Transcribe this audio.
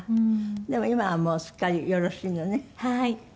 でも今はもうすっかりよろしいのね？